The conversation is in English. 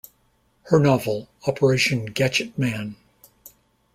Her novel Operation Gadgetman!